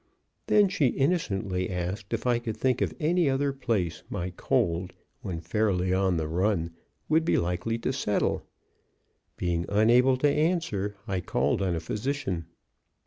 Then she innocently asked if I could think of any other place my cold, when fairly on the run, would be likely to settle. Being unable to answer, I called on a physician.